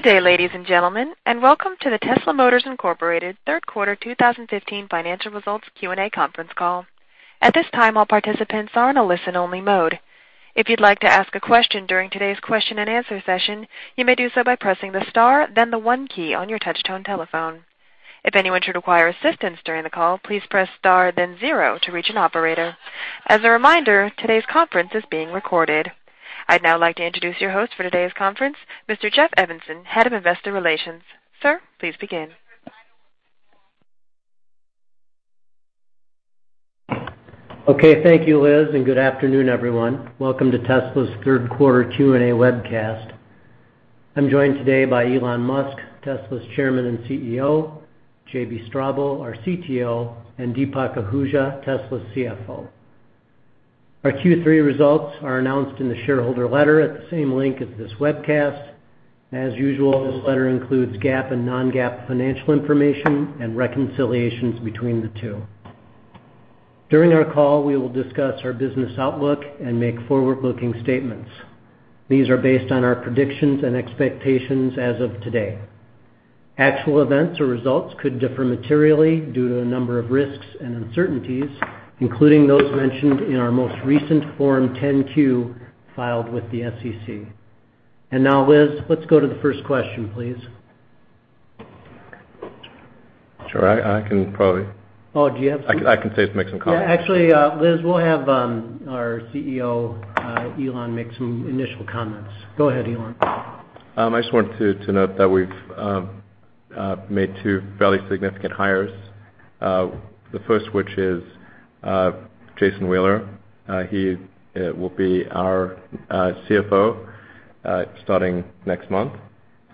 Good day, ladies and gentlemen, and welcome to the Tesla Motors, Inc. third quarter 2015 financial results Q&A conference call. At this time, all participants are in a listen-only mode. If you'd like to ask a question during today's question and answer session, you may do so by pressing the star then the one key on your touch-tone telephone. If anyone should require assistance during the call, please press star then zero to reach an operator. As a reminder, today's conference is being recorded. I'd now like to introduce your host for today's conference, Mr. Jeff Evanson, Head of Investor Relations. Sir, please begin. Okay. Thank you, Liz, and good afternoon, everyone. Welcome to Tesla's third quarter Q&A webcast. I'm joined today by Elon Musk, Tesla's Chairman and CEO, JB Straubel, our CTO, and Deepak Ahuja, Tesla's CFO. Our Q3 results are announced in the shareholder letter at the same link as this webcast. As usual, this letter includes GAAP and non-GAAP financial information and reconciliations between the two. During our call, we will discuss our business outlook and make forward-looking statements. These are based on our predictions and expectations as of today. Actual events or results could differ materially due to a number of risks and uncertainties, including those mentioned in our most recent Form 10-Q filed with the SEC. Now, Liz, let's go to the first question, please. Sure. Oh, do you have something? I can start to make some comments. Yeah, actually, Liz, we'll have our CEO, Elon, make some initial comments. Go ahead, Elon. I just wanted to note that we've made two fairly significant hires. The first of which is Jason Wheeler. He will be our CFO starting next month.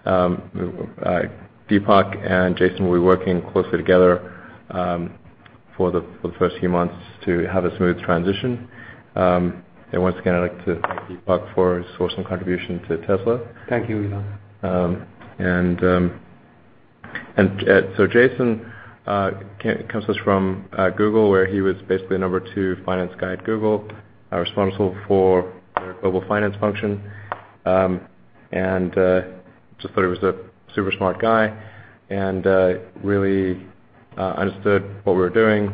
Deepak and Jason will be working closely together for the first few months to have a smooth transition. Once again, I'd like to thank Deepak for his awesome contribution to Tesla. Thank you, Elon. Jason comes to us from Google, where he was basically the number 2 finance guy at Google, responsible for their global finance function. Just thought he was a super smart guy, and really understood what we were doing,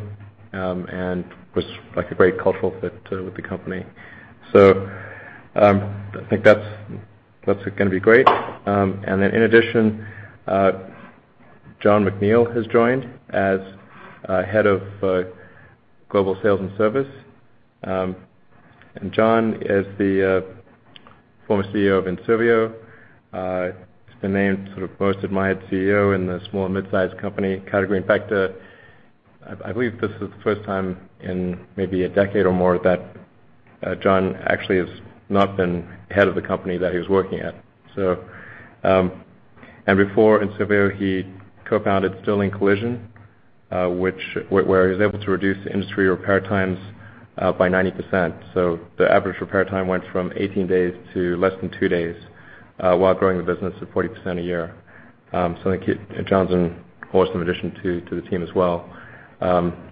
and was a great cultural fit with the company. I think that's going to be great. In addition, Jon McNeill has joined as head of global sales and service. Jon is the former CEO of Enservio. He's been named most admired CEO in the small- and mid-sized company category. In fact, I believe this is the first time in maybe a decade or more that Jon actually has not been head of the company that he was working at. Before Enservio, he co-founded Sterling Collision Centers, where he was able to reduce the industry repair times by 90%. The average repair time went from 18 days to less than two days, while growing the business at 40% a year. I think Jon's an awesome addition to the team as well.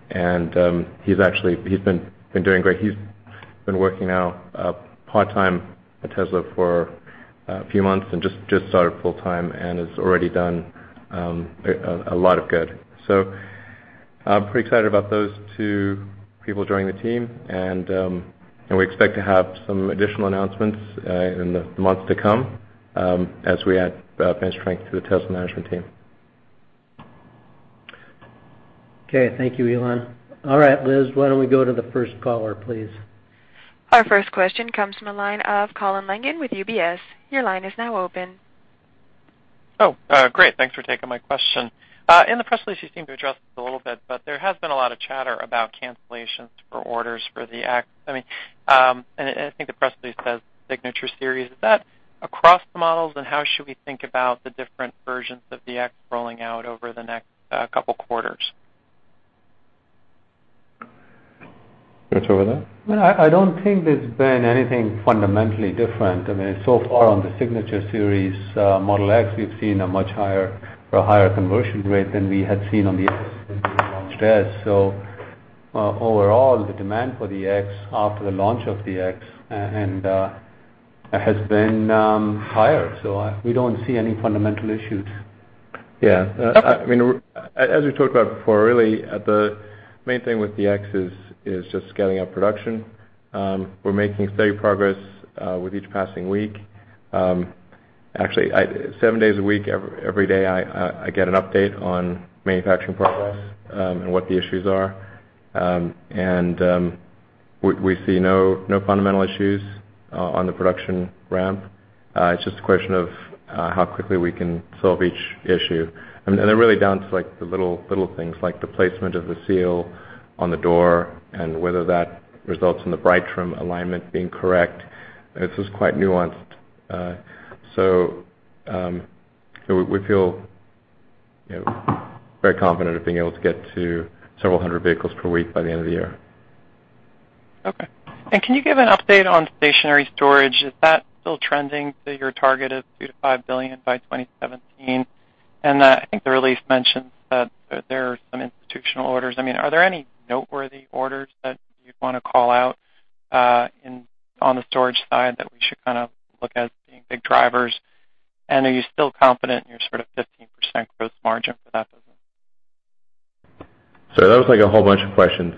He's been doing great. He's been working now part-time at Tesla for a few months and just started full-time and has already done a lot of good. I'm pretty excited about those two people joining the team, and we expect to have some additional announcements in the months to come as we add bench strength to the Tesla management team. Okay. Thank you, Elon. All right, Liz, why don't we go to the first caller, please. Our first question comes from the line of Colin Langan with UBS. Your line is now open. Oh, great. Thanks for taking my question. In the press release, you seem to address this a little bit, there has been a lot of chatter about cancellations for orders for the Model X. I think the press release says Signature Series. Is that across the models, how should we think about the different versions of the Model X rolling out over the next couple quarters? Deepak, do you want that? I don't think there's been anything fundamentally different. Far on the Signature Series Model X, we've seen a much higher conversion rate than we had seen on the Model S when we launched Model S. Overall, the demand for the Model X after the launch of the Model X has been higher. We don't see any fundamental issues. Yeah. Okay. As we talked about before, really, the main thing with the Model X is just scaling up production. We're making steady progress with each passing week. Actually, seven days a week, every day, I get an update on manufacturing progress and what the issues are. We see no fundamental issues on the production ramp. It's just a question of how quickly we can solve each issue. They're really down to the little things, like the placement of the seal on the door and whether that results in the bright trim alignment being correct. This is quite nuanced. We feel very confident of being able to get to several hundred vehicles per week by the end of the year. Okay. Can you give an update on stationary storage? Is that still trending to your target of $2 billion-$5 billion by 2017? I think the release mentions that there are some institutional orders. Are there any noteworthy orders that you'd want to call out on the storage side that we should look as being big drivers? Are you still confident in your 15% gross margin for that business? That was a whole bunch of questions.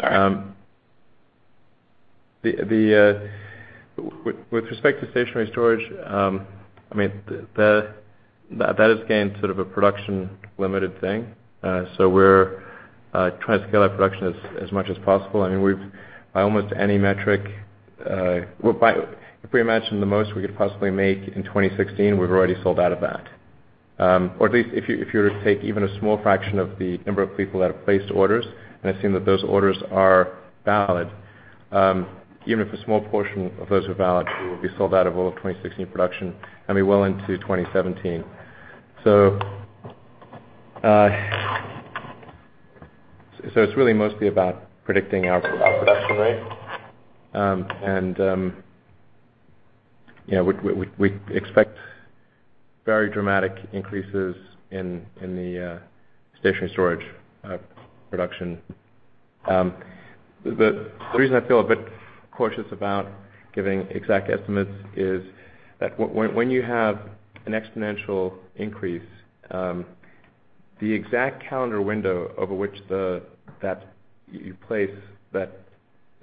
Sorry. With respect to stationary storage, that has gained a production limited thing. We're trying to scale our production as much as possible. By almost any metric, if we imagine the most we could possibly make in 2016, we've already sold out of that. At least, if you were to take even a small fraction of the number of people that have placed orders, and assume that those orders are valid, even if a small portion of those are valid, we will be sold out of all of 2016 production and be well into 2017. It's really mostly about predicting our production rate. We expect very dramatic increases in the stationary storage production. The reason I feel a bit cautious about giving exact estimates is that when you have an exponential increase, the exact calendar window over which you place that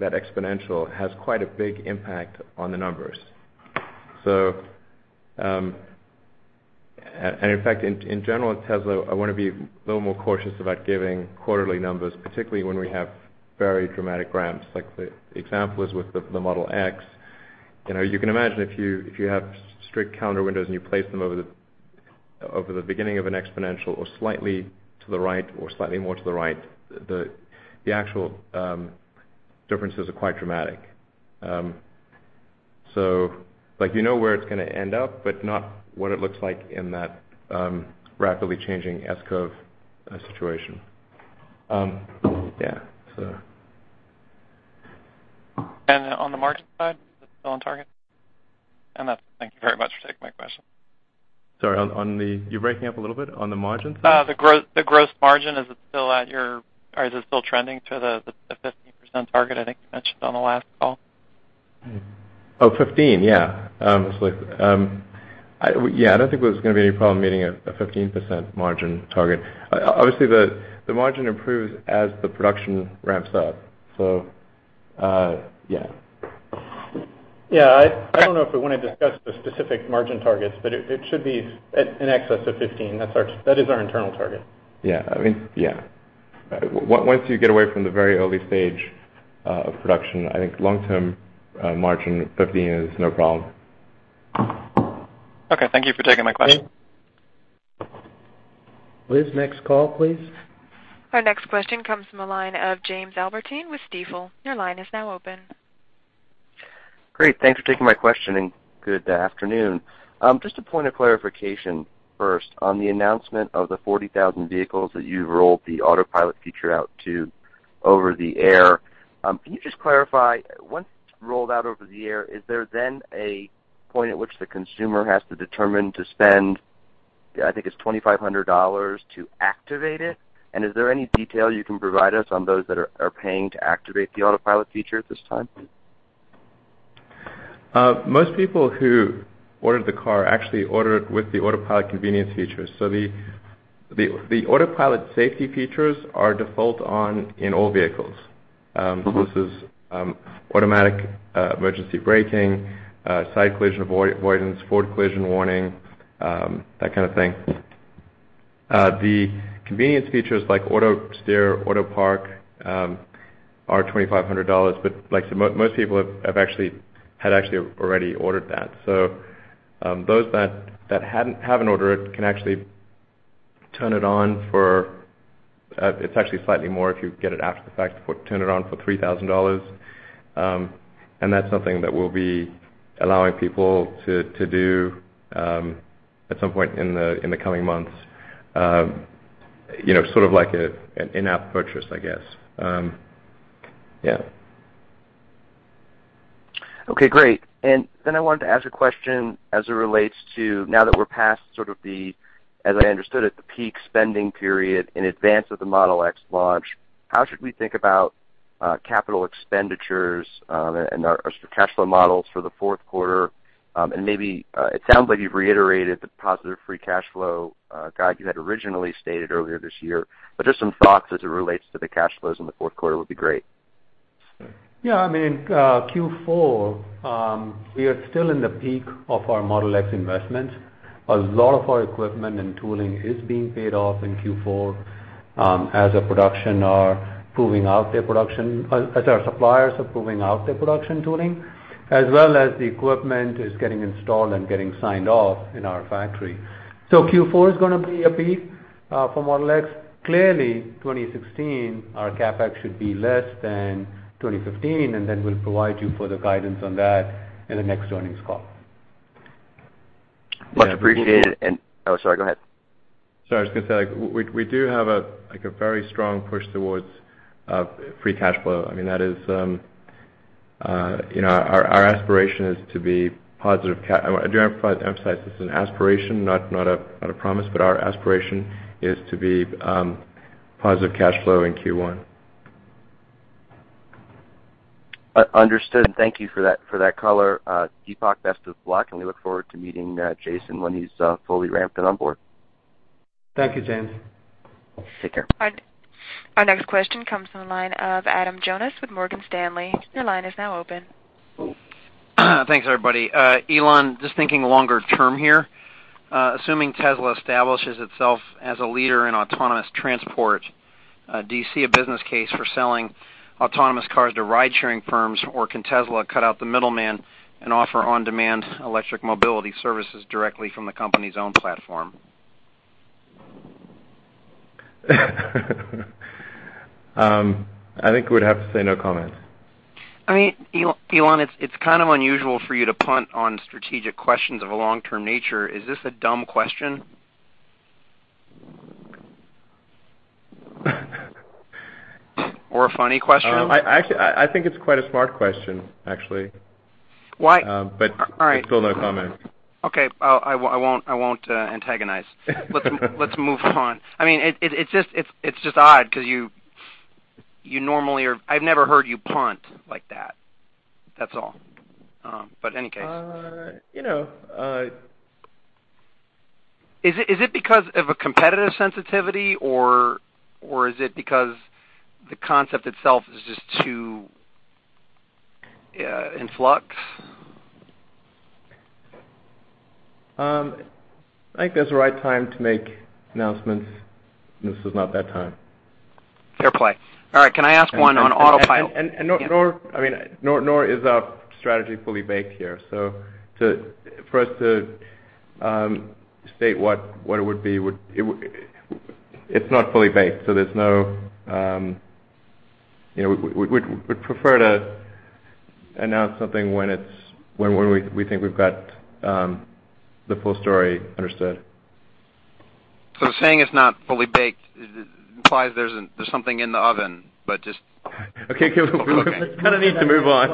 exponential has quite a big impact on the numbers. In fact, in general at Tesla, I want to be a little more cautious about giving quarterly numbers, particularly when we have very dramatic ramps. Like the example is with the Model X. You can imagine if you have strict calendar windows and you place them over the beginning of an exponential or slightly to the right, or slightly more to the right, the actual differences are quite dramatic. You know where it's going to end up, but not what it looks like in that rapidly changing S-curve situation. Yeah. On the margin side, is it still on target? Thank you very much for taking my question. Sorry, you're breaking up a little bit. On the margin side? The gross margin, is it still trending to the 15% target I think you mentioned on the last call? Oh, 15, yeah. I don't think there's going to be any problem meeting a 15% margin target. Obviously, the margin improves as the production ramps up. Yeah. Yeah, I don't know if we want to discuss the specific margin targets, but it should be in excess of 15%. That is our internal target. Yeah. Once you get away from the very early stage of production, I think long-term margin, 15% is no problem. Okay. Thank you for taking my question. Liz, next call, please. Our next question comes from the line of James Albertine with Stifel. Your line is now open. Great. Thanks for taking my question, and good afternoon. Just a point of clarification first. On the announcement of the 40,000 vehicles that you've rolled the Autopilot feature out to over the air, can you just clarify, once it's rolled out over the air, is there then a point at which the consumer has to determine to spend, I think it's $2,500 to activate it? Is there any detail you can provide us on those that are paying to activate the Autopilot feature at this time? Most people who ordered the car actually ordered it with the Autopilot convenience features. The Autopilot safety features are default on in all vehicles. This is automatic emergency braking, side collision avoidance, forward collision warning, that kind of thing. The convenience features like auto steer, auto park are $2,500. Most people had actually already ordered that. Those that haven't ordered it can actually turn it on for, it's actually slightly more if you get it after the fact, but turn it on for $3,000. That's something that we'll be allowing people to do at some point in the coming months. Sort of like an in-app purchase, I guess. Yeah. Okay, great. I wanted to ask a question as it relates to now that we're past the, as I understood it, the peak spending period in advance of the Model X launch, how should we think about capital expenditures and our cash flow models for the fourth quarter? It sounds like you've reiterated the positive free cash flow guide you had originally stated earlier this year, just some thoughts as it relates to the cash flows in the fourth quarter would be great. Yeah. Q4, we are still in the peak of our Model X investments. A lot of our equipment and tooling is being paid off in Q4 as our suppliers are proving out their production tooling, as well as the equipment is getting installed and getting signed off in our factory. Q4 is going to be a peak for Model X. Clearly, 2016, our CapEx should be less than 2015, we'll provide you further guidance on that in the next earnings call. Much appreciated. Oh, sorry, go ahead. Sorry, I was going to say, we do have a very strong push towards free cash flow. Our aspiration is to be positive. I do want to emphasize this is an aspiration, not a promise, our aspiration is to be positive cash flow in Q1. Understood. Thank you for that color. Deepak, best of luck, and we look forward to meeting Jason when he's fully ramped and on board. Thank you, James. Take care. Our next question comes from the line of Adam Jonas with Morgan Stanley. Your line is now open. Thanks, everybody. Elon, just thinking longer term here, assuming Tesla establishes itself as a leader in autonomous transport, do you see a business case for selling autonomous cars to ride-sharing firms or can Tesla cut out the middleman and offer on-demand electric mobility services directly from the company's own platform? I think we'd have to say no comment. Elon, it's kind of unusual for you to punt on strategic questions of a long-term nature. Is this a dumb question? Or a funny question? I think it's quite a smart question, actually. Why? All right. Still no comment. Okay. I won't antagonize. Let's move on. It's just odd because I've never heard you punt like that. That's all. In any case. You know Is it because of a competitive sensitivity or is it because the concept itself is just too in flux? I think there's a right time to make announcements. This is not that time. Fair play. All right. Can I ask one on Autopilot? Nor is our strategy fully baked here. For us to state what it would be, it's not fully baked, so we'd prefer to announce something when we think we've got the full story understood. Saying it's not fully baked implies there's something in the oven. Okay, cool. We kind of need to move on.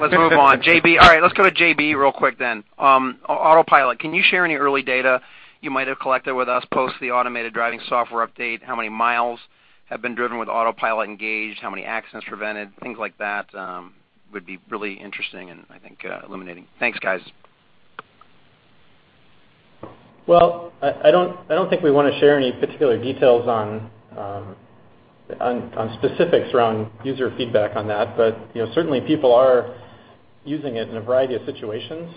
Let's move on. All right, let's go to JB real quick then. Autopilot, can you share any early data you might have collected with us post the automated driving software update? How many miles have been driven with Autopilot engaged, how many accidents prevented? Things like that would be really interesting and I think illuminating. Thanks, guys. I don't think we want to share any particular details on specifics around user feedback on that. Certainly, people are using it in a variety of situations.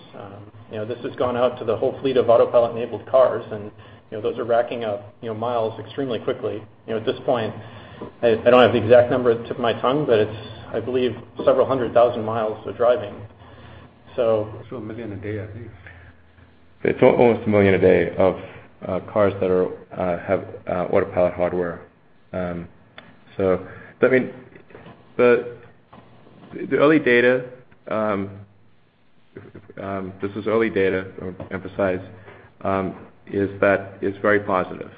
This has gone out to the whole fleet of Autopilot-enabled cars, and those are racking up miles extremely quickly. At this point, I don't have the exact number to my tongue, but it's, I believe, several hundred thousand miles of driving. It's 1 million a day, I think. It's almost 1 million a day of cars that have Autopilot hardware. The early data, this is early data, I want to emphasize, is that it's very positive.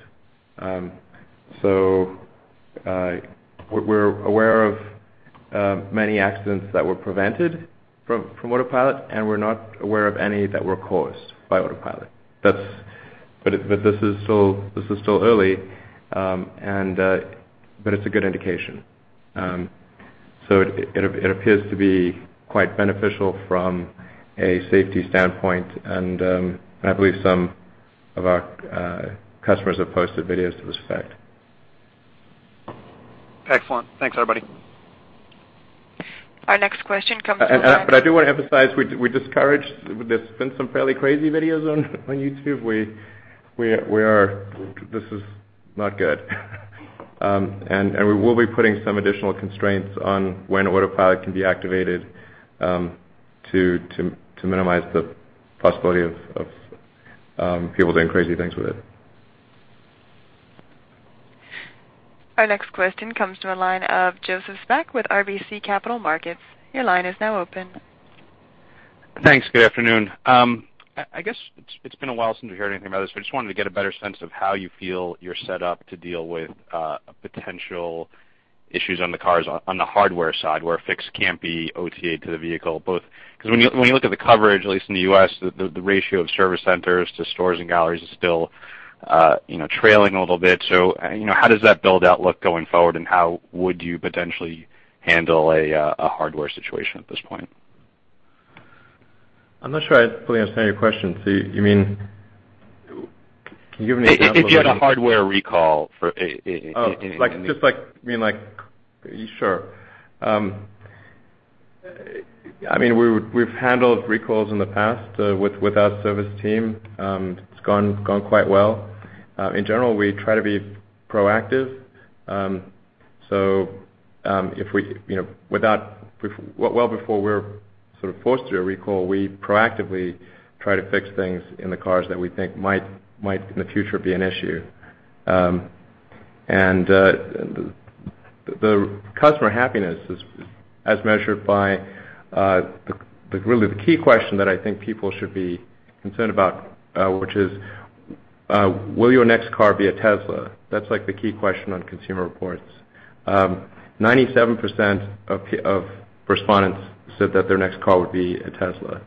We're aware of many accidents that were prevented from Autopilot, and we're not aware of any that were caused by Autopilot. This is still early, but it's a good indication. It appears to be quite beneficial from a safety standpoint, and I believe some of our customers have posted videos to this effect. Excellent. Thanks, everybody. Our next question comes from- I do want to emphasize, we discourage There's been some fairly crazy videos on YouTube. This is not good. We will be putting some additional constraints on when Autopilot can be activated to minimize the possibility of people doing crazy things with it. Our next question comes to the line of Joseph Spak with RBC Capital Markets. Your line is now open. Thanks. Good afternoon. I guess it's been a while since we heard anything about this, but I just wanted to get a better sense of how you feel you're set up to deal with potential issues on the cars on the hardware side, where a fix can't be OTA'd to the vehicle. Because when you look at the coverage, at least in the U.S., the ratio of service centers to stores and galleries is still trailing a little bit. How does that build out look going forward, and how would you potentially handle a hardware situation at this point? I'm not sure I fully understand your question. You mean, can you give me an example? If you had a hardware recall for- Just like Sure. We've handled recalls in the past with our service team. It's gone quite well. In general, we try to be proactive. Well before we're sort of forced to do a recall, we proactively try to fix things in the cars that we think might, in the future, be an issue. The customer happiness, as measured by really the key question that I think people should be concerned about, which is "Will your next car be a Tesla?" That's the key question on Consumer Reports. 97% of respondents said that their next car would be a Tesla.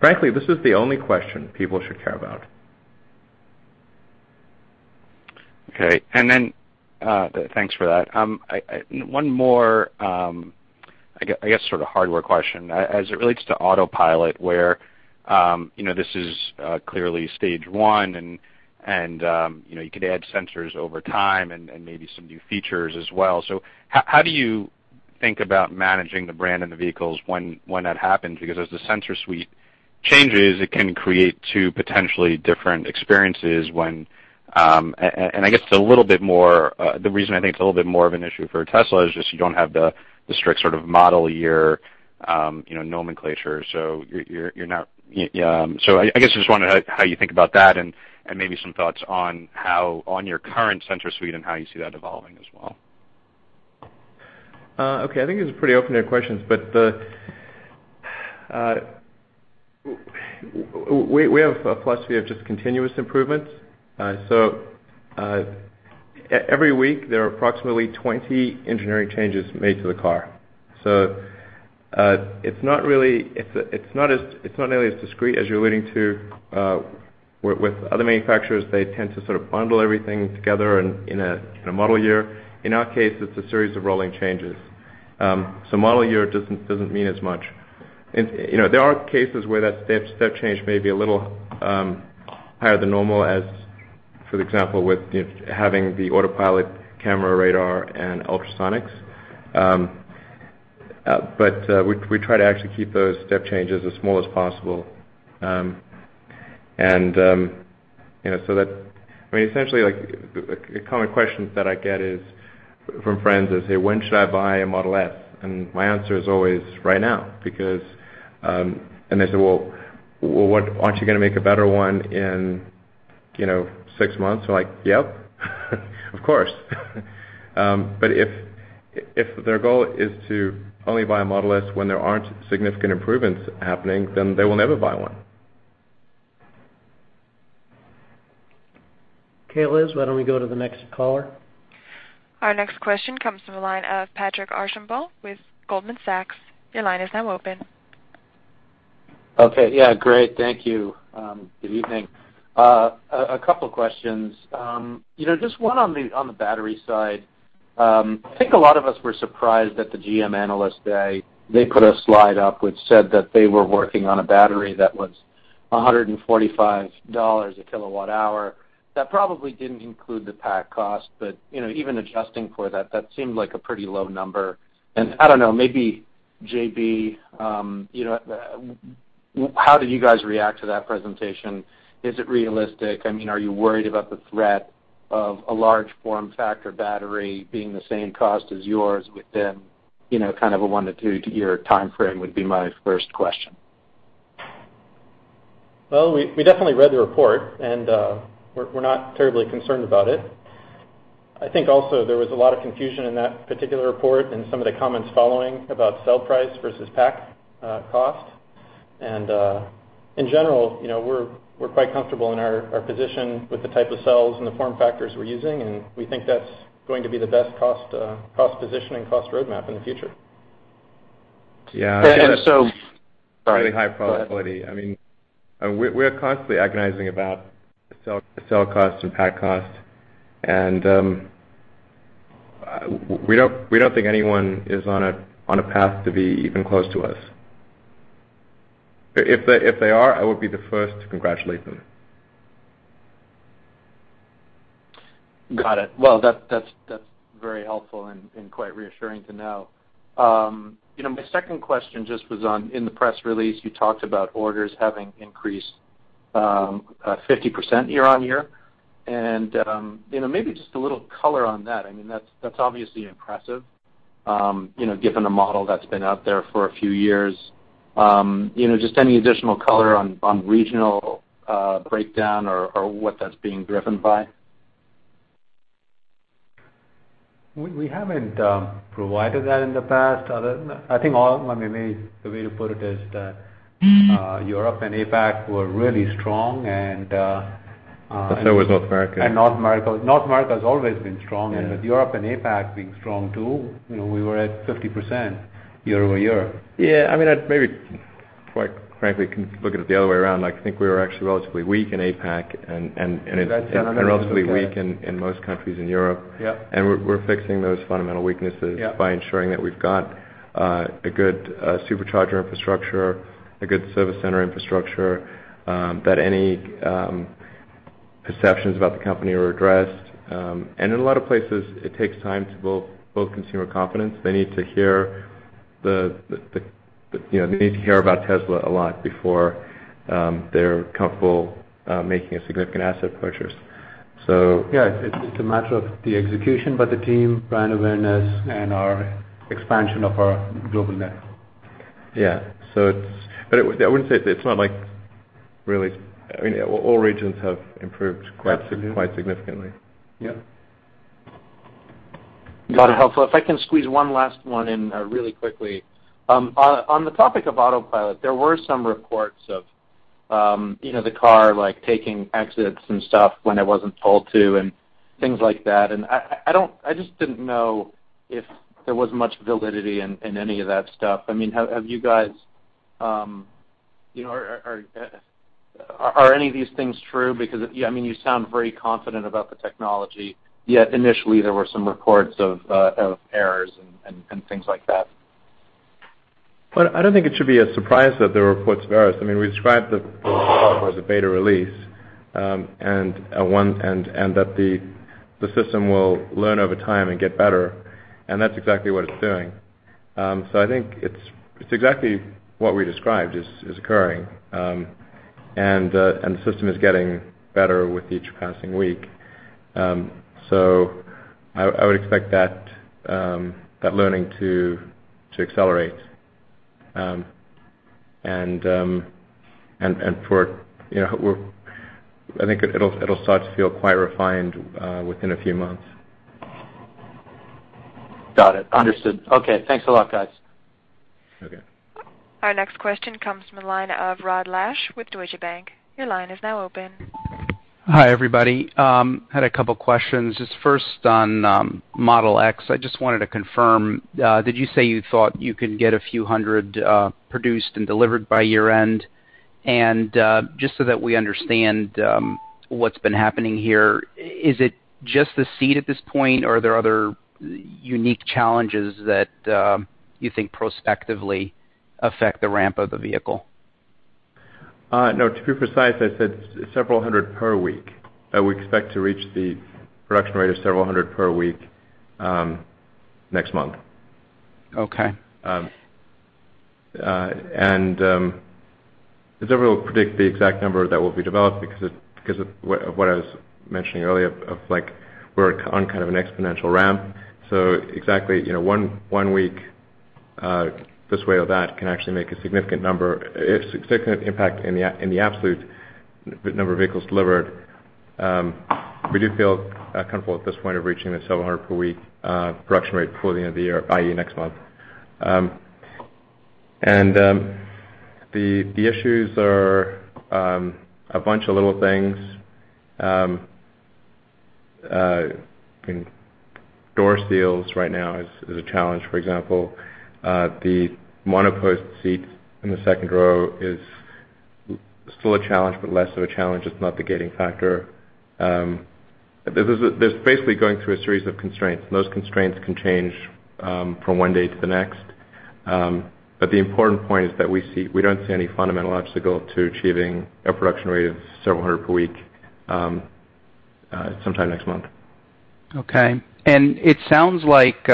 Frankly, this is the only question people should care about. Okay. Thanks for that. One more, I guess, sort of hardware question as it relates to Autopilot, where this is clearly stage 1 and you could add sensors over time and maybe some new features as well. How do you think about managing the brand and the vehicles when that happens? Because as the sensor suite changes, it can create two potentially different experiences when. The reason I think it's a little bit more of an issue for Tesla is just you don't have the strict sort of model year nomenclature. I guess I just wondering how you think about that and maybe some thoughts on your current sensor suite and how you see that evolving as well. Okay. I think these are pretty open-ended questions. Plus we have just continuous improvements. Every week there are approximately 20 engineering changes made to the car. It's not nearly as discreet as you're alluding to. With other manufacturers, they tend to sort of bundle everything together in a model year. In our case, it's a series of rolling changes. Model year doesn't mean as much. There are cases where that step change may be a little higher than normal, as, for example, with having the Autopilot camera, radar, and ultrasonics. We try to actually keep those step changes as small as possible. Essentially, a common question that I get from friends is, "Hey, when should I buy a Model S?" My answer is always, "Right now." They say, "Well, aren't you going to make a better one in six months?" I'm like, "Yep. Of course." If their goal is to only buy a Model S when there aren't significant improvements happening, then they will never buy one. Okay, Liz, why don't we go to the next caller? Our next question comes from the line of Patrick Archambault with Goldman Sachs. Your line is now open. Okay. Yeah, great. Thank you. Good evening. A couple questions. Just one on the battery side. I think a lot of us were surprised at the GM Analyst Day. They put a slide up which said that they were working on a battery that was $145 a kilowatt hour. That probably didn't include the pack cost, but even adjusting for that seemed like a pretty low number. I don't know, maybe JB, how did you guys react to that presentation? Is it realistic? Are you worried about the threat of a large form factor battery being the same cost as yours within kind of a one-to-two-year timeframe, would be my first question. Well, we definitely read the report. We're not terribly concerned about it. I think also there was a lot of confusion in that particular report and some of the comments following about cell price versus pack cost. In general, we're quite comfortable in our position with the type of cells and the form factors we're using, and we think that's going to be the best cost position and cost roadmap in the future. And so- Yeah. Sorry. Go ahead. really high probability. We're constantly agonizing about the cell cost and pack cost. We don't think anyone is on a path to be even close to us. If they are, I would be the first to congratulate them. Got it. Well, that's very helpful and quite reassuring to know. My second question just was on, in the press release you talked about orders having increased 50% year-on-year. Maybe just a little color on that. That's obviously impressive given a model that's been out there for a few years. Just any additional color on regional breakdown or what that's being driven by? We haven't provided that in the past, other than, I think, maybe the way to put it is that Europe and APAC were really strong. So was North America. North America. North America has always been strong. Yeah With Europe and APAC being strong too, we were at 50% year-over-year. Yeah. Maybe, quite frankly, look at it the other way around. I think we were actually relatively weak in APAC and. That's fundamental, okay. relatively weak in most countries in Europe. Yep. We're fixing those fundamental weaknesses. Yep by ensuring that we've got a good Supercharger infrastructure, a good service center infrastructure, that any perceptions about the company are addressed. In a lot of places, it takes time to build consumer confidence. They need to hear about Tesla a lot before they're comfortable making a significant asset purchase. Yeah, it's a matter of the execution by the team, brand awareness, and our expansion of our global network. Yeah. I wouldn't say, it's not like, really, all regions have improved- Absolutely quite significantly. Yeah. Got it. Helpful. If I can squeeze one last one in really quickly. On the topic of Autopilot, there were some reports of the car taking exits and stuff when it wasn't told to and things like that. I just didn't know if there was much validity in any of that stuff. Are any of these things true? Because you sound very confident about the technology, yet initially there were some reports of errors and things like that. Well, I don't think it should be a surprise that there were reports of errors. We described the Autopilot as a beta release, and that the system will learn over time and get better, and that's exactly what it's doing. I think it's exactly what we described is occurring, and the system is getting better with each passing week. I would expect that learning to accelerate. I think it'll start to feel quite refined within a few months. Got it. Understood. Okay, thanks a lot, guys. Okay. Our next question comes from the line of Rod Lache with Deutsche Bank. Your line is now open. Hi, everybody. Had a couple questions. Just first on Model X, I just wanted to confirm, did you say you thought you could get a few hundred produced and delivered by year-end? Just so that we understand what's been happening here, is it just the seat at this point, or are there other unique challenges that you think prospectively affect the ramp of the vehicle? No, to be precise, I said several hundred per week, that we expect to reach the production rate of several hundred per week, next month. Okay. It's difficult to predict the exact number that will be developed because of what I was mentioning earlier of we're on kind of an exponential ramp. Exactly one week this way or that can actually make a significant impact in the absolute number of vehicles delivered. We do feel comfortable at this point of reaching the several hundred per week production rate before the end of the year, i.e., next month. The issues are a bunch of little things. Door seals right now is a challenge, for example. The monopost seat in the second row is still a challenge, but less of a challenge. It's not the gating factor. There's basically going through a series of constraints, and those constraints can change from one day to the next. The important point is that we don't see any fundamental obstacle to achieving a production rate of several hundred per week sometime next month. Okay. It sounds like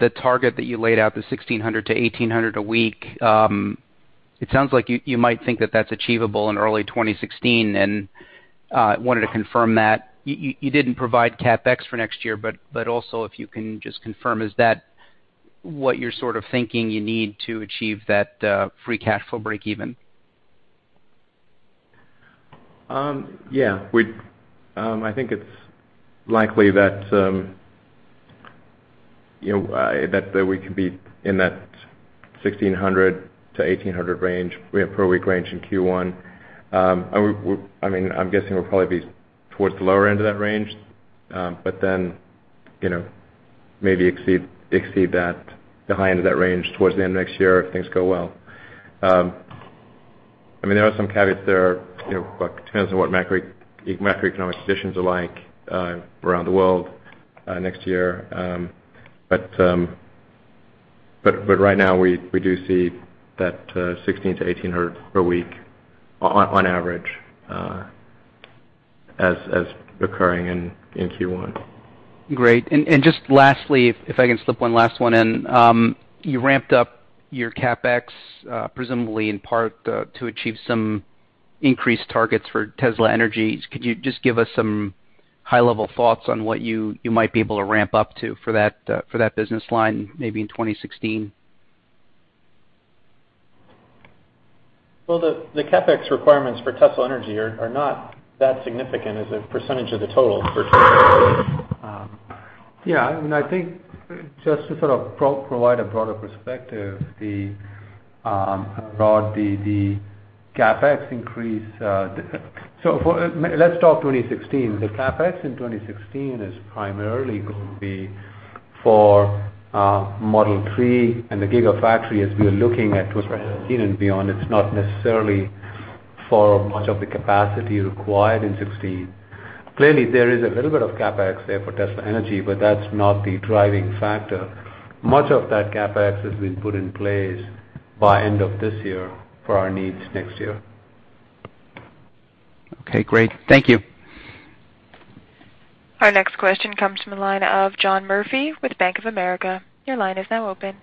the target that you laid out, the 1,600-1,800 a week, it sounds like you might think that that's achievable in early 2016. Wanted to confirm that you didn't provide CapEx for next year. Also if you can just confirm, is that what you're sort of thinking you need to achieve that free cash flow breakeven? Yeah. I think it's likely that we could be in that 1,600-1,800 range per week range in Q1. I'm guessing we'll probably be towards the lower end of that range. Maybe exceed the high end of that range towards the end of next year if things go well. There are some caveats there. Depends on what macroeconomic conditions are like around the world next year. Right now, we do see that 16-1,800 per week on average as recurring in Q1. Great. Just lastly, if I can slip one last one in. You ramped up your CapEx, presumably in part to achieve some increased targets for Tesla Energy. Could you just give us some high-level thoughts on what you might be able to ramp up to for that business line, maybe in 2016? Well, the CapEx requirements for Tesla Energy are not that significant as a percentage of the total for Tesla. Yeah, I think just to sort of provide a broader perspective, Rod, the CapEx increase. Let's talk 2016. The CapEx in 2016 is primarily going to be for Model 3 and the Gigafactory as we're looking at towards 2016 and beyond. It's not necessarily for much of the capacity required in 2016. Clearly, there is a little bit of CapEx there for Tesla Energy, but that's not the driving factor. Much of that CapEx has been put in place by end of this year for our needs next year. Okay, great. Thank you. Our next question comes from the line of John Murphy with Bank of America. Your line is now open.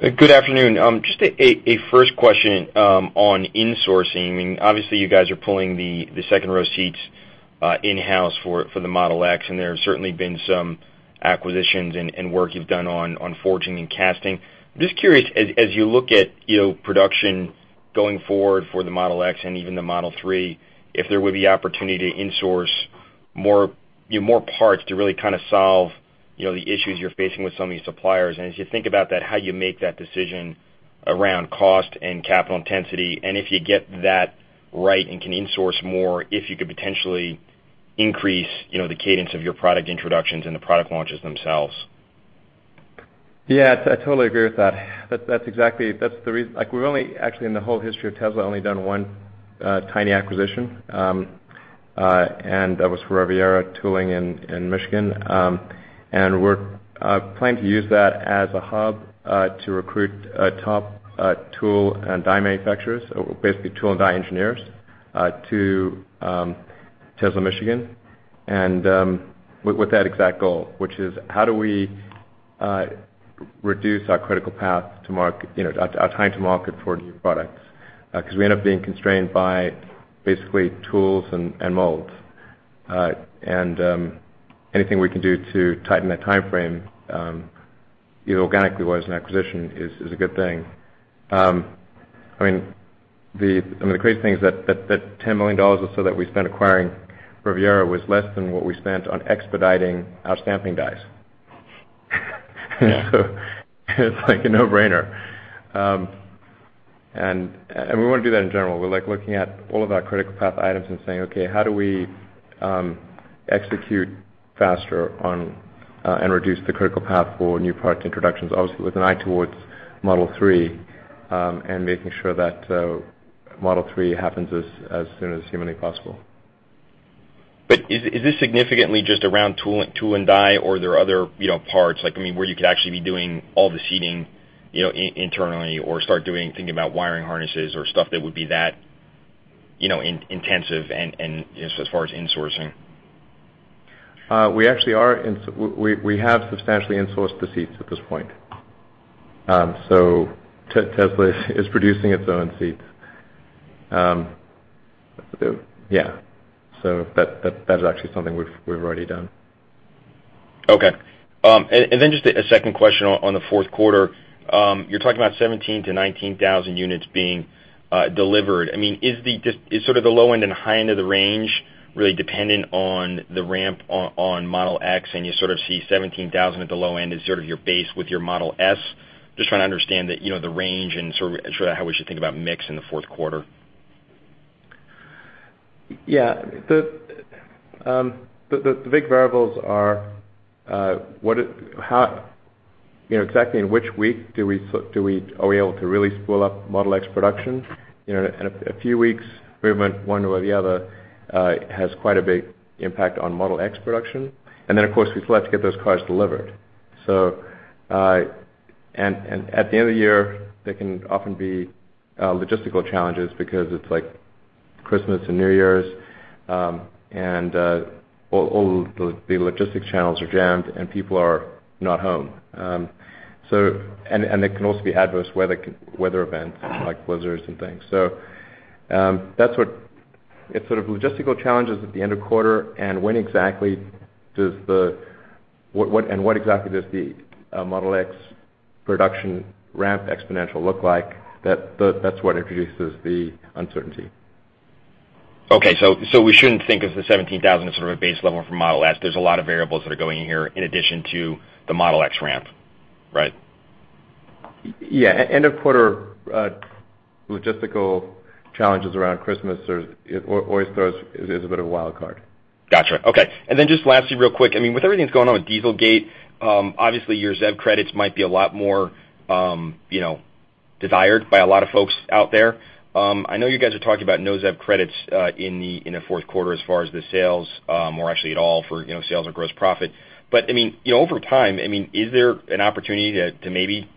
Good afternoon. Just a first question on insourcing. Obviously, you guys are pulling the second-row seats in-house for the Model X, and there have certainly been some acquisitions and work you've done on forging and casting. Just curious, as you look at production going forward for the Model X and even the Model 3, if there would be opportunity to insource more parts to really solve the issues you're facing with some of your suppliers. As you think about that, how you make that decision around cost and capital intensity, and if you get that right and can insource more, if you could potentially increase the cadence of your product introductions and the product launches themselves. Yeah. I totally agree with that. We've only, actually, in the whole history of Tesla, done one tiny acquisition, and that was for Riviera Tool in Michigan. We're planning to use that as a hub to recruit top tool and die manufacturers, basically tool and die engineers, to Tesla Michigan with that exact goal, which is how do we reduce our time to market for new products. We end up being constrained by basically tools and molds. Anything we can do to tighten that timeframe organically wise, an acquisition is a good thing. The crazy thing is that $10 million or so that we spent acquiring Riviera was less than what we spent on expediting our stamping dies. Yeah. It's like a no-brainer. We want to do that in general. We're looking at all of our critical path items and saying, "Okay, how do we execute faster and reduce the critical path for new product introductions?" Obviously, with an eye towards Model 3, and making sure that Model 3 happens as soon as humanly possible. Is this significantly just around tool and die, or are there other parts where you could actually be doing all the seating internally or start thinking about wiring harnesses or stuff that would be that intensive as far as insourcing? We have substantially insourced the seats at this point. Tesla is producing its own seats. Yeah. That is actually something we've already done. Okay. Just a second question on the fourth quarter. You're talking about 17,000-19,000 units being delivered. Is the low end and high end of the range really dependent on the ramp on Model X, and you sort of see 17,000 at the low end as sort of your base with your Model S? Just trying to understand the range and sort of how we should think about mix in the fourth quarter. Yeah. The big variables are exactly in which week are we able to really spool up Model X production? In a few weeks, movement one way or the other has quite a big impact on Model X production. Then, of course, we still have to get those cars delivered. At the end of the year, there can often be logistical challenges because it's Christmas and New Year's, and all the logistics channels are jammed, and people are not home. There can also be adverse weather events like blizzards and things. It's logistical challenges at the end of quarter and what exactly does the Model X production ramp exponential look like. That's what introduces the uncertainty. Okay, we shouldn't think of the 17,000 as sort of a base level for Model S. There's a lot of variables that are going in here in addition to the Model X ramp, right? Yeah. End of quarter logistical challenges around Christmas always is a bit of a wild card. Got you. Okay. Then just lastly real quick. With everything that's going on with Dieselgate, obviously your ZEV credits might be a lot more desired by a lot of folks out there. I know you guys are talking about no ZEV credits in the fourth quarter as far as the sales, or actually at all for sales or gross profit. Over time, is there an opportunity to maybe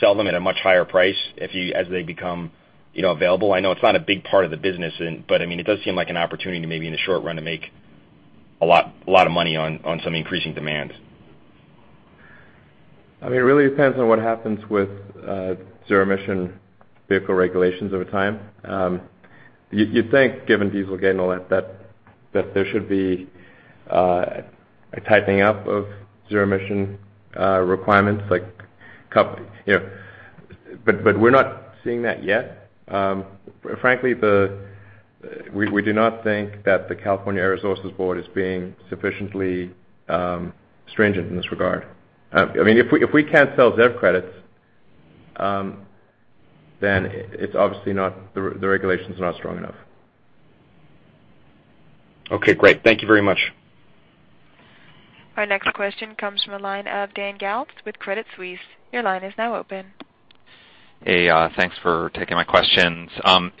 sell them at a much higher price as they become available? I know it's not a big part of the business, but it does seem like an opportunity maybe in the short run to make a lot of money on some increasing demand. It really depends on what happens with zero-emission vehicle regulations over time. You'd think given Dieselgate and all that there should be a tightening up of zero-emission requirements, but we're not seeing that yet. Frankly, we do not think that the California Air Resources Board is being sufficiently stringent in this regard. If we can't sell ZEV credits, obviously the regulation's not strong enough. Okay, great. Thank you very much. Our next question comes from the line of Dan Galves with Credit Suisse. Your line is now open. Hey, thanks for taking my questions.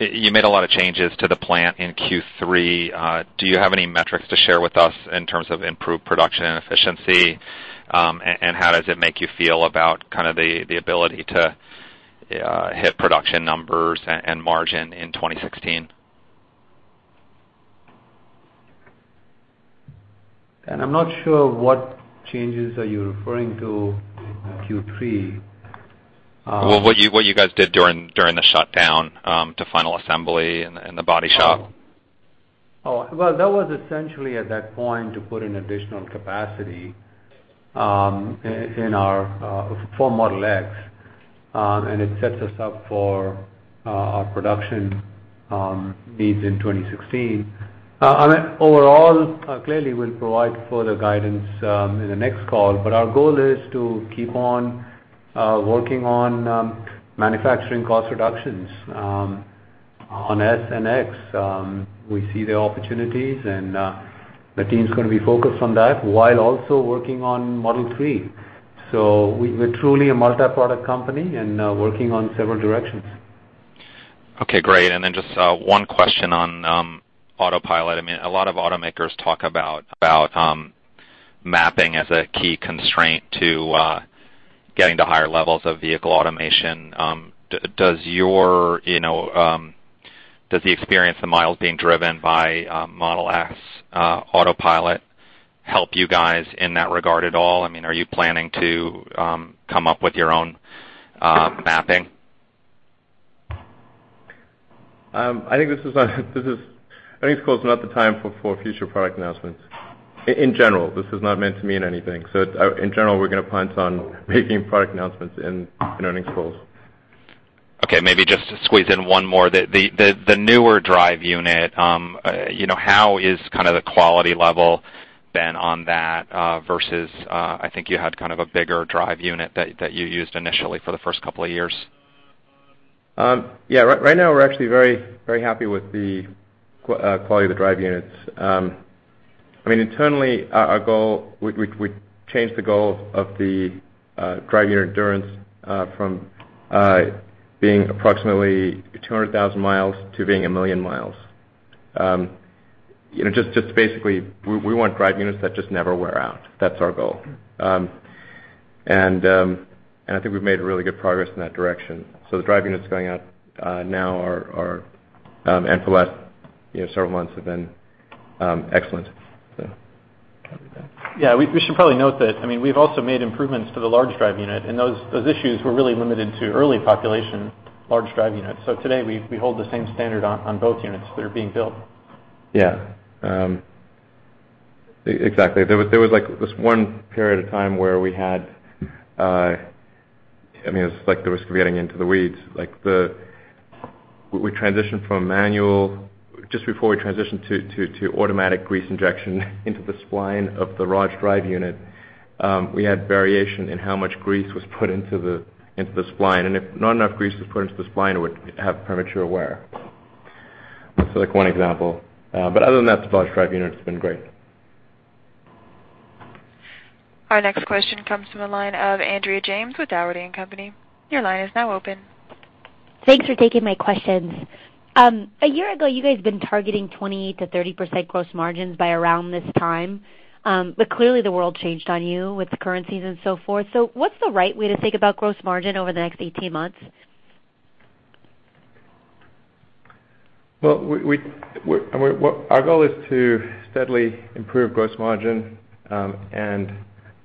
You made a lot of changes to the plant in Q3. Do you have any metrics to share with us in terms of improved production efficiency? How does it make you feel about the ability to hit production numbers and margin in 2016? Dan, I'm not sure what changes are you referring to in Q3. Well, what you guys did during the shutdown to final assembly and the body shop? Oh, well, that was essentially at that point to put in additional capacity for Model X, it sets us up for our production needs in 2016. Overall, clearly, we'll provide further guidance in the next call, our goal is to keep on working on manufacturing cost reductions on S and X. We see the opportunities, the team's going to be focused on that while also working on Model 3. We're truly a multi-product company and working on several directions. Okay, great. Then just one question on Autopilot. A lot of automakers talk about mapping as a key constraint to getting to higher levels of vehicle automation. Does the experience of the miles being driven by Model S Autopilot help you guys in that regard at all? Are you planning to come up with your own mapping? I think this call's not the time for future product announcements. In general, this is not meant to mean anything. In general, we're going to plan on making product announcements in earnings calls. Maybe just to squeeze in one more. The newer drive unit, how is the quality level been on that versus, I think you had a bigger drive unit that you used initially for the first couple of years? Right now, we're actually very happy with the quality of the drive units. Internally, we changed the goal of the drive unit endurance from being approximately 200,000 miles to being 1 million miles. Just basically, we want drive units that just never wear out. That's our goal. I think we've made really good progress in that direction. The drive units going out now and for the last several months have been excellent. Cover that. We should probably note that we've also made improvements to the large drive unit. Those issues were really limited to early population large drive units. Today, we hold the same standard on both units that are being built. Exactly. There was this one period of time where we had, it was like the risk of getting into the weeds. Just before we transitioned to automatic grease injection into the spline of the large drive unit, we had variation in how much grease was put into the spline. If not enough grease was put into the spline, it would have premature wear. One example. Other than that, the large drive unit's been great. Our next question comes from the line of Andrea James with Dougherty & Company. Your line is now open. Thanks for taking my questions. A year ago, you guys had been targeting 20%-30% gross margins by around this time. Clearly, the world changed on you with the currencies and so forth. What's the right way to think about gross margin over the next 18 months? Well, our goal is to steadily improve gross margin, and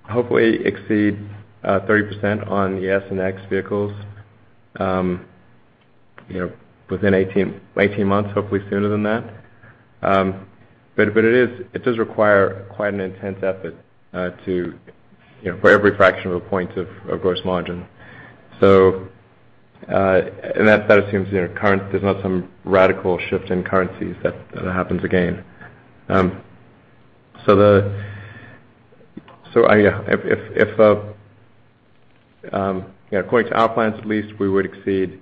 hopefully exceed 30% on the S and X vehicles within 18 months, hopefully sooner than that. It does require quite an intense effort for every fraction of a point of gross margin. And that assumes there's not some radical shift in currencies that happens again. According to our plans, at least, we would exceed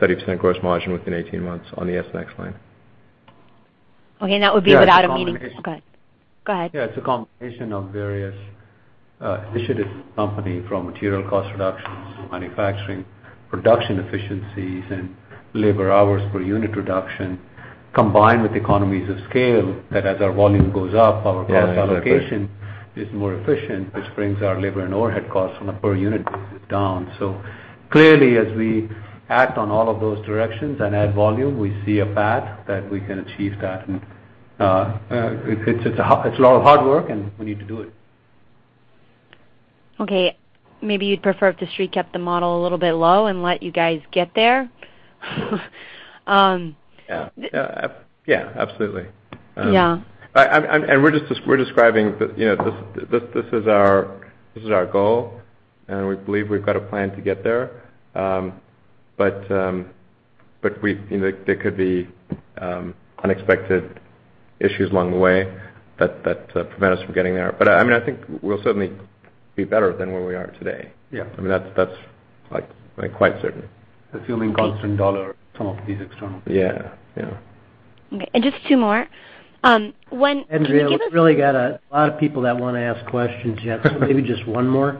30% gross margin within 18 months on the S and X line. Okay, that would be without a meaningful- Yeah, it's a combination- Go ahead. Yeah, it's a combination of various initiatives in the company, from material cost reductions to manufacturing production efficiencies and labor hours per unit reduction, combined with economies of scale that as our volume goes up, our- Yeah, exactly. Clearly, as we act on all of those directions and add volume, we see a path that we can achieve that. It's a lot of hard work, and we need to do it. Okay, maybe you'd prefer if the Street kept the model a little bit low and let you guys get there? Yeah, absolutely. Yeah. We're describing this is our goal, and we believe we've got a plan to get there. There could be unexpected issues along the way that prevent us from getting there. I think we'll certainly be better than where we are today. Yeah. That's quite certain. Assuming constant dollar, some of these external things. Yeah. Okay. Just two more. When can you give us- Andrea, we've really got a lot of people that want to ask questions here. Maybe just one more.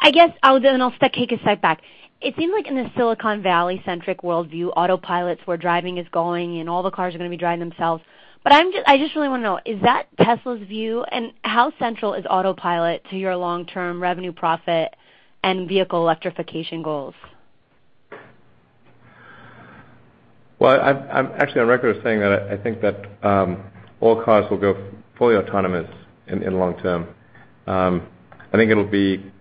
I guess, I'll take a step back. It seems like in the Silicon Valley-centric worldview, Autopilot's where driving is going and all the cars are going to be driving themselves. I just really want to know, is that Tesla's view, and how central is Autopilot to your long-term revenue profit and vehicle electrification goals? Well, I'm actually on record as saying that I think that all cars will go fully autonomous in the long term. I think it'll be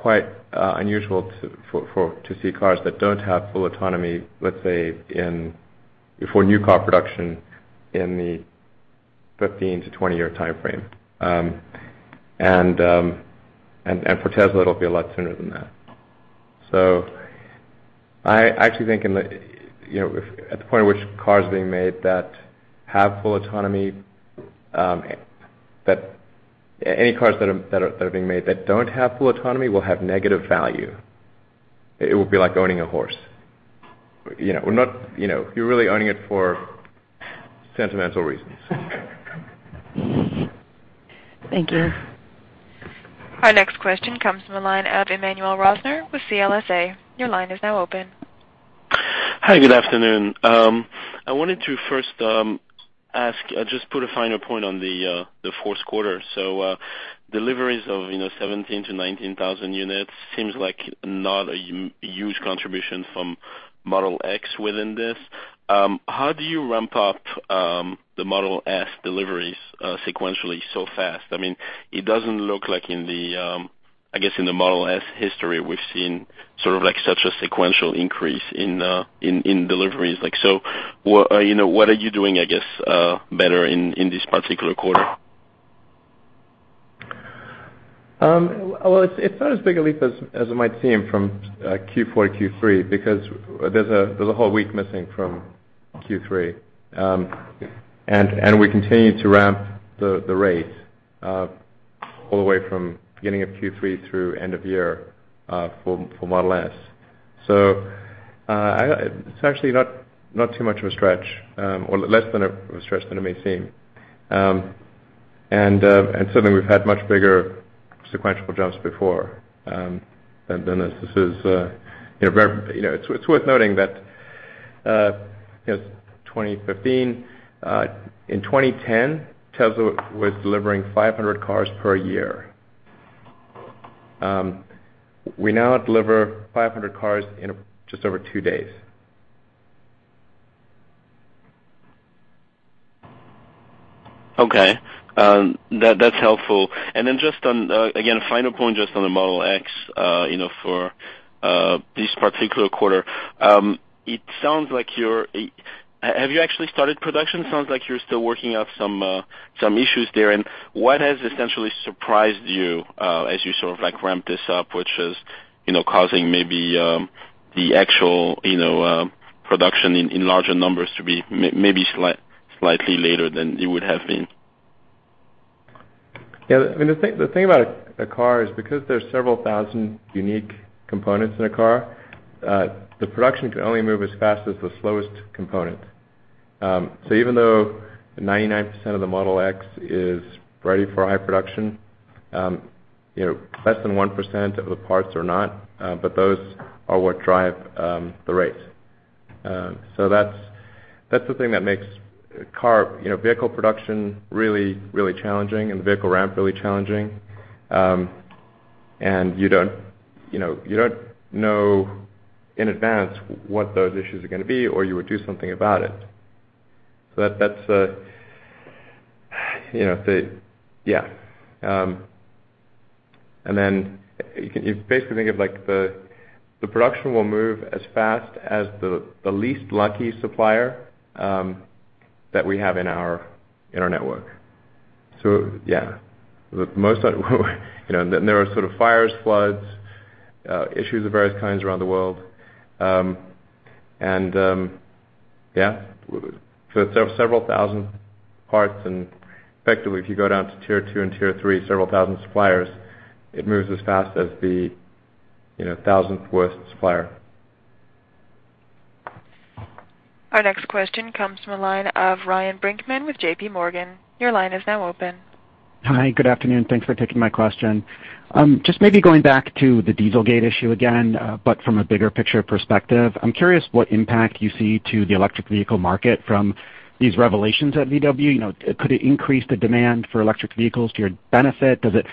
quite unusual to see cars that don't have full autonomy, let's say, for new car production in the 15-20-year timeframe. For Tesla, it'll be a lot sooner than that. I actually think at the point at which cars are being made that have full autonomy, any cars that are being made that don't have full autonomy will have negative value. It will be like owning a horse. You're really owning it for sentimental reasons. Thank you. Our next question comes from the line of Emmanuel Rosner with CLSA. Your line is now open. Hi, good afternoon. I wanted to first ask, just put a finer point on the fourth quarter. Deliveries of 17,000 to 19,000 units seems like not a huge contribution from Model X within this. How do you ramp up the Model S deliveries sequentially so fast? It doesn't look like in the Model S history, we've seen such a sequential increase in deliveries. What are you doing, I guess, better in this particular quarter? Well, it's not as big a leap as it might seem from Q4 to Q3 because there's a whole week missing from Q3. We continue to ramp the rate all the way from beginning of Q3 through end of year for Model S. It's actually not too much of a stretch or less of a stretch than it may seem. Certainly we've had much bigger sequential jumps before than this. It's worth noting that in 2010, Tesla was delivering 500 cars per year. We now deliver 500 cars in just over two days. Okay. That's helpful. Then just on, again, a finer point just on the Model X for this particular quarter. Have you actually started production? It sounds like you're still working out some issues there. What has essentially surprised you as you ramped this up, which is causing maybe the actual production in larger numbers to be maybe slightly later than it would have been? Yeah. The thing about a car is because there's several thousand unique components in a car the production can only move as fast as the slowest component. Even though 99% of the Model X is ready for high production less than 1% of the parts are not, but those are what drive the rate. That's the thing that makes vehicle production really, really challenging and the vehicle ramp really challenging. You don't know in advance what those issues are going to be, or you would do something about it. Yeah. You basically think of like the production will move as fast as the least lucky supplier that we have in our network. Yeah. There are sort of fires, floods, issues of various kinds around the world. Yeah. Several thousand parts and effectively, if you go down to tier 2 and tier 3, several thousand suppliers, it moves as fast as the thousandth worst supplier. Our next question comes from the line of Ryan Brinkman with JPMorgan. Your line is now open. Hi, good afternoon. Thanks for taking my question. Just maybe going back to the Dieselgate issue again, but from a bigger picture perspective. I'm curious what impact you see to the electric vehicle market from these revelations at VW. Could it increase the demand for electric vehicles to your benefit? Does it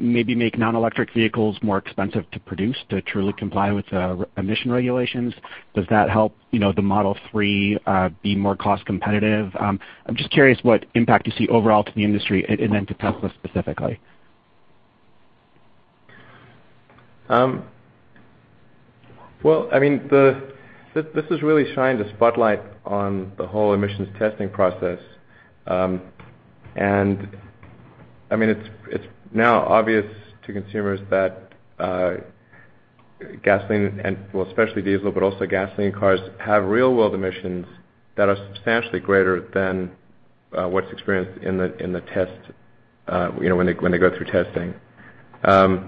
maybe make non-electric vehicles more expensive to produce to truly comply with the emission regulations? Does that help the Model 3 be more cost-competitive? I'm just curious what impact you see overall to the industry and then to Tesla specifically. Well, this has really shined a spotlight on the whole emissions testing process. It's now obvious to consumers that gasoline and, well, especially diesel, but also gasoline cars have real-world emissions that are substantially greater than what's experienced when they go through testing. I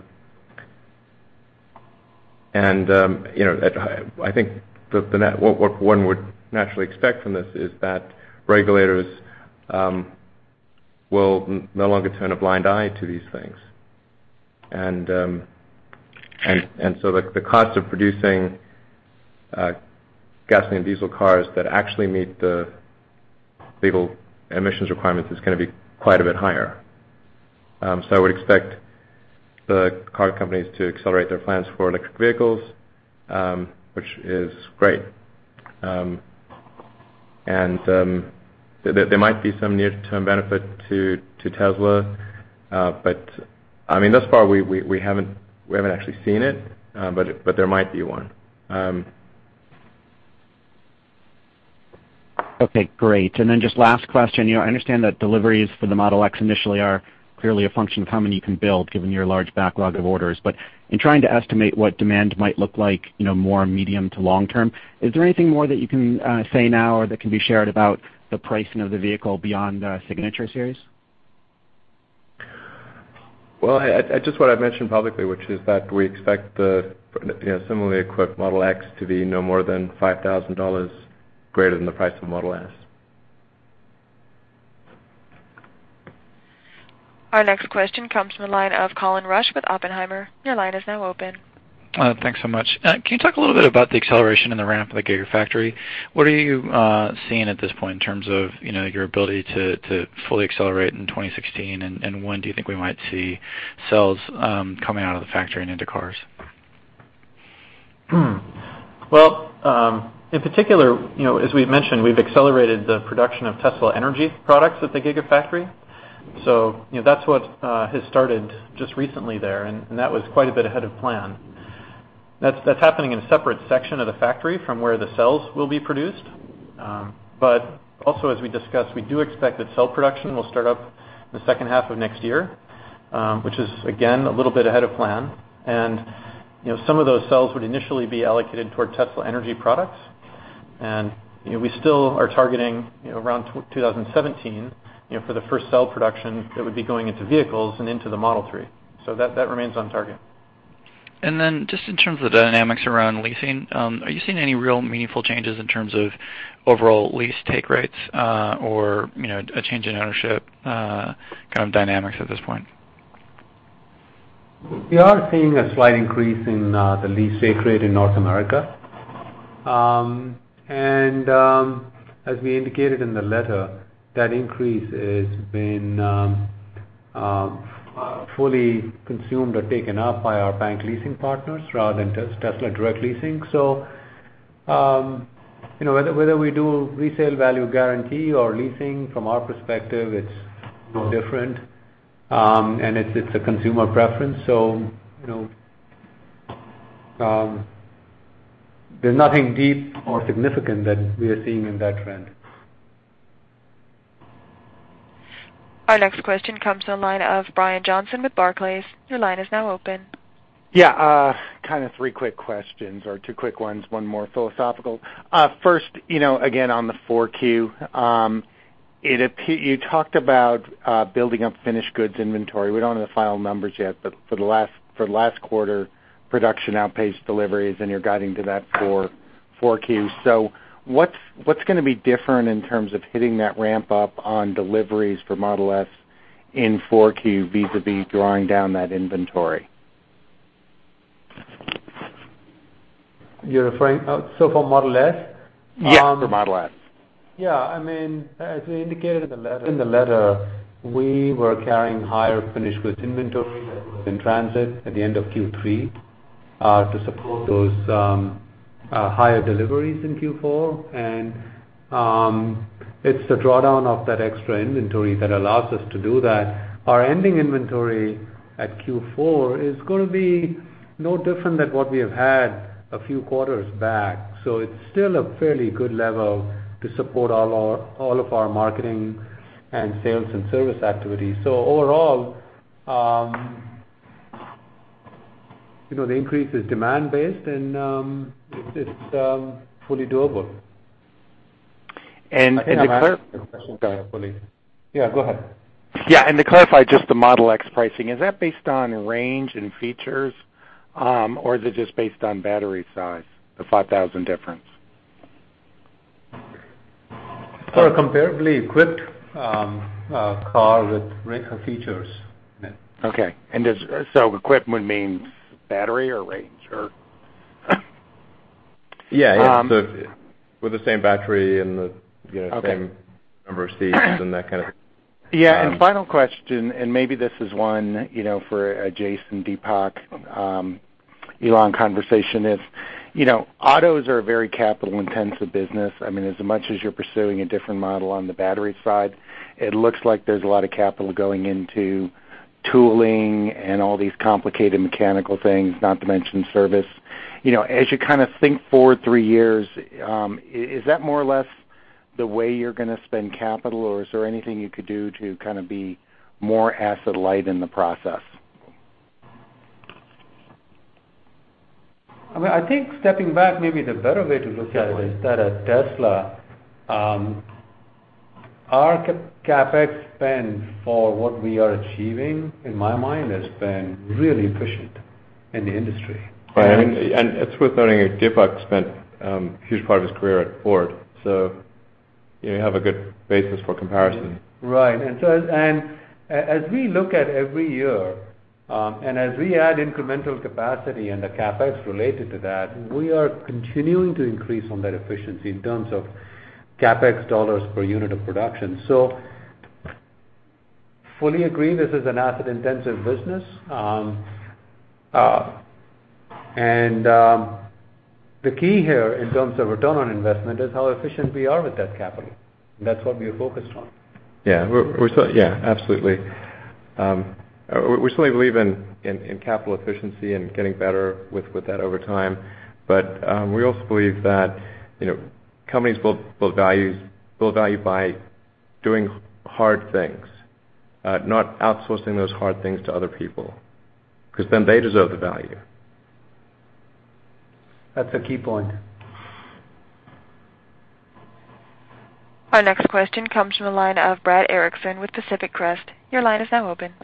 think what one would naturally expect from this is that regulators will no longer turn a blind eye to these things. The cost of producing gasoline diesel cars that actually meet the legal emissions requirements is going to be quite a bit higher. I would expect the car companies to accelerate their plans for electric vehicles, which is great. There might be some near-term benefit to Tesla, but thus far we haven't actually seen it, but there might be one. Okay, great. Just last question. I understand that deliveries for the Model X initially are clearly a function of how many you can build, given your large backlog of orders. In trying to estimate what demand might look like more medium to long-term, is there anything more that you can say now or that can be shared about the pricing of the vehicle beyond Signature Series? Well, just what I've mentioned publicly, which is that we expect the similarly equipped Model X to be no more than $5,000 greater than the price of Model S. Our next question comes from the line of Colin Rusch with Oppenheimer. Your line is now open. Thanks so much. Can you talk a little bit about the acceleration and the ramp of the Gigafactory? What are you seeing at this point in terms of your ability to fully accelerate in 2016? When do you think we might see cells coming out of the factory and into cars? In particular, as we've mentioned, we've accelerated the production of Tesla Energy products at the Gigafactory. That's what has started just recently there, and that was quite a bit ahead of plan. That's happening in a separate section of the factory from where the cells will be produced. Also as we discussed, we do expect that cell production will start up in the second half of next year, which is again, a little bit ahead of plan. Some of those cells would initially be allocated toward Tesla Energy products. We still are targeting around 2017 for the first cell production that would be going into vehicles and into the Model 3. That remains on target. Just in terms of the dynamics around leasing, are you seeing any real meaningful changes in terms of overall lease take rates, or a change in ownership kind of dynamics at this point? We are seeing a slight increase in the lease take rate in North America. As we indicated in the letter, that increase has been fully consumed or taken up by our bank leasing partners rather than Tesla direct leasing. Whether we do resale value guarantee or leasing from our perspective it's no different. It's a consumer preference, there's nothing deep or significant that we are seeing in that trend. Our next question comes to the line of Brian Johnson with Barclays. Your line is now open. Kind of 3 quick questions or 2 quick ones, one more philosophical. First, again, on the 4Q, you talked about building up finished goods inventory. We don't have the final numbers yet, but for last quarter production outpaced deliveries and you're guiding to that for 4Q. What's going to be different in terms of hitting that ramp-up on deliveries for Model S in 4Q vis-a-vis drawing down that inventory? You're referring for Model S? Yes, for Model S. Yeah. As we indicated in the letter, we were carrying higher finished goods inventory that was in transit at the end of Q3 to support those higher deliveries in Q4 and it's the drawdown of that extra inventory that allows us to do that. Our ending inventory at Q4 is going to be no different than what we have had a few quarters back. It's still a fairly good level to support all of our marketing and sales and service activities. Overall the increase is demand-based and it's fully doable. And- I think I've answered the question fully. Yeah, go ahead. Yeah. To clarify just the Model X pricing, is that based on range and features? Or is it just based on battery size, the 5,000 difference? For a comparably equipped car with range of features, yeah. Okay. Equipment means battery or range or With the same battery and the same number of seats and that kind of thing. Final question, and maybe this is one for a Jason, Deepak, Elon conversation is, autos are a very capital-intensive business. As much as you're pursuing a different model on the battery side, it looks like there's a lot of capital going into tooling and all these complicated mechanical things, not to mention service. As you kind of think forward three years, is that more or less the way you're going to spend capital or is there anything you could do to kind of be more asset light in the process? I think stepping back, maybe the better way to look at it is that at Tesla, our CapEx spend for what we are achieving, in my mind, has been really efficient in the industry. It's worth noting that Deepak spent a huge part of his career at Ford, so you have a good basis for comparison. Right. As we look at every year, and as we add incremental capacity and the CapEx related to that, we are continuing to increase on that efficiency in terms of CapEx dollars per unit of production. Fully agree, this is an asset-intensive business. The key here in terms of return on investment is how efficient we are with that capital. That's what we are focused on. Yeah. Absolutely. We certainly believe in capital efficiency and getting better with that over time. We also believe that companies build value by doing hard things, not outsourcing those hard things to other people, because then they deserve the value. That's a key point. Our next question comes from the line of Brad Erickson with Pacific Crest. Your line is now open.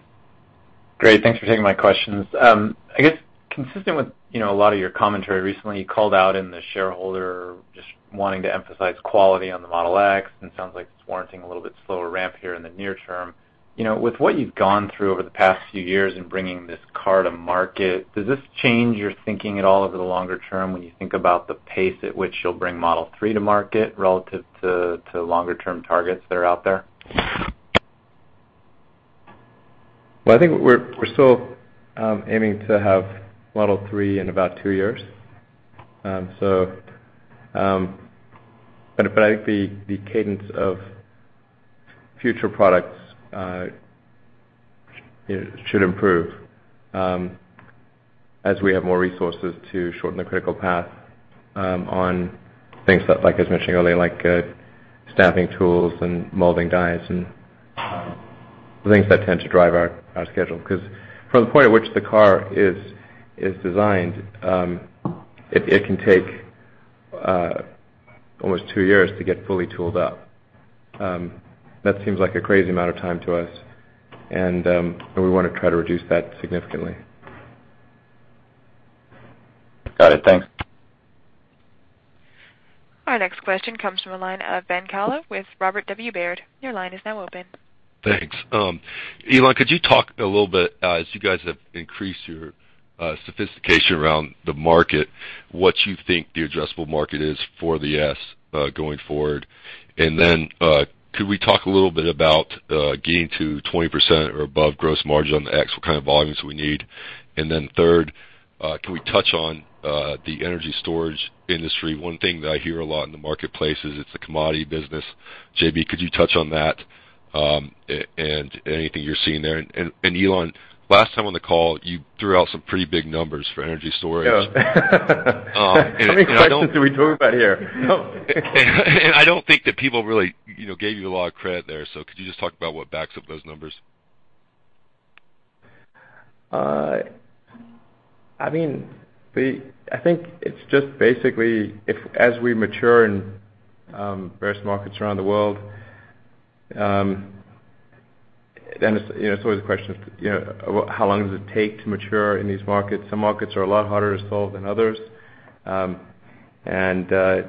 Great. Thanks for taking my questions. I guess consistent with a lot of your commentary recently, you called out in the shareholder, just wanting to emphasize quality on the Model X, and it sounds like it's warranting a little bit slower ramp here in the near term. With what you've gone through over the past few years in bringing this car to market, does this change your thinking at all over the longer term when you think about the pace at which you'll bring Model 3 to market relative to longer-term targets that are out there? Well, I think we're still aiming to have Model 3 in about two years. I think the cadence of future products should improve as we have more resources to shorten the critical path on things, like I was mentioning earlier, like stamping tools and molding dies and things that tend to drive our schedule. Because from the point at which the car is designed, it can take almost two years to get fully tooled up. That seems like a crazy amount of time to us, and we want to try to reduce that significantly. Got it. Thanks. Our next question comes from the line of Ben Kallo with Robert W. Baird. Your line is now open. Thanks. Elon, could you talk a little bit, as you guys have increased your sophistication around the market, what you think the addressable market is for the Model S going forward? Could we talk a little bit about getting to 20% or above gross margin on the Model X, what kind of volumes we need? Third, can we touch on the energy storage industry? One thing that I hear a lot in the marketplace is it's a commodity business. JB, could you touch on that, and anything you're seeing there? Elon, last time on the call, you threw out some pretty big numbers for energy storage. Yeah. How many questions are we talking about here? I don't think that people really gave you a lot of credit there, could you just talk about what backs up those numbers? I think it's just basically as we mature in various markets around the world, it's always a question of how long does it take to mature in these markets? Some markets are a lot harder to solve than others. There's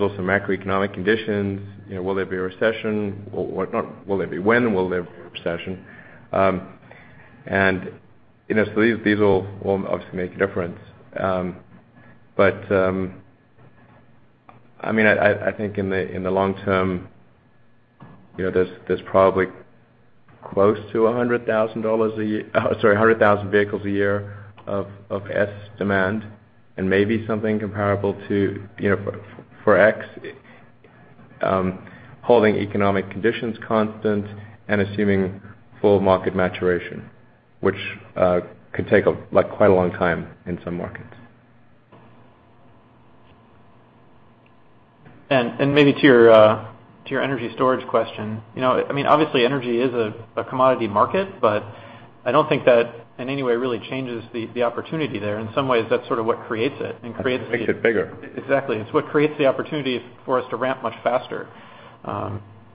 also macroeconomic conditions, will there be a recession? Not will there be, when will there be a recession? These will obviously make a difference. I think in the long term, there's probably close to 100,000 vehicles a year of Model S demand, and maybe something comparable to, for Model X, holding economic conditions constant and assuming full market maturation, which could take quite a long time in some markets. Maybe to your energy storage question, obviously energy is a commodity market, I don't think that in any way really changes the opportunity there. In some ways, that's sort of what creates it and creates Makes it bigger. Exactly. It's what creates the opportunity for us to ramp much faster.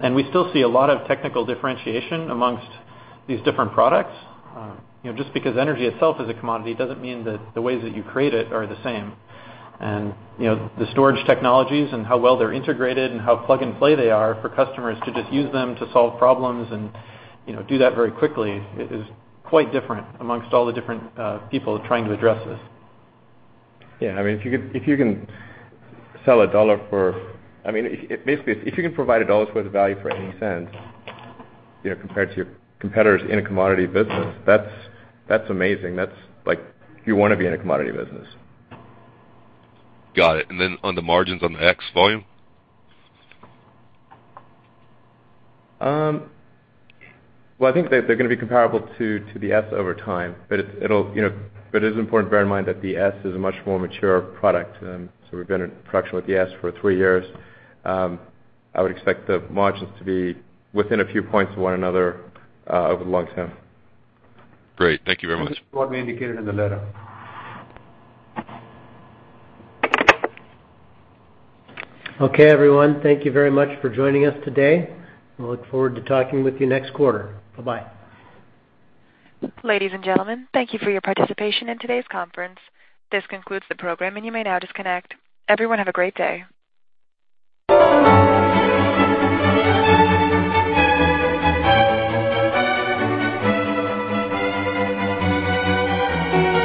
We still see a lot of technical differentiation amongst these different products. Just because energy itself is a commodity, doesn't mean that the ways that you create it are the same. The storage technologies and how well they're integrated and how plug-and-play they are for customers to just use them to solve problems and do that very quickly is quite different amongst all the different people trying to address this. Yeah. Basically, if you can provide a $1's worth of value for $0.80, compared to your competitors in a commodity business, that's amazing. That's like you want to be in a commodity business. Got it. Then on the margins on the X volume? Well, I think they're going to be comparable to the S over time. It is important to bear in mind that the S is a much more mature product. We've been in production with the S for three years. I would expect the margins to be within a few points of one another, over the long term. Great. Thank you very much. This is broadly indicated in the letter. Okay, everyone. Thank you very much for joining us today. We look forward to talking with you next quarter. Bye-bye. Ladies and gentlemen, thank you for your participation in today's conference. This concludes the program, and you may now disconnect. Everyone, have a great day.